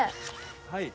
はい。